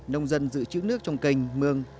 nông dân giữ chữ nước trong canh mương